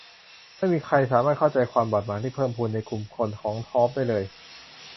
ไม่มีใครสามารถเข้าใจความบาดหมางที่เพิ่มพูนขึ้นในกลุ่มคนของธอร์ปได้เลย